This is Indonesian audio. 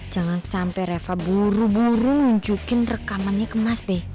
jangan sampai reva buru buru nunjukin rekamannya ke mas b